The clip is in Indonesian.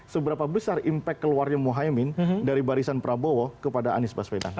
seberapa besar impact keluarnya muhaymin dari barisan prabowo kepada anies baswedan